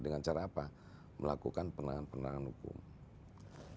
dengan cara apa melakukan penanganan penanganan hukum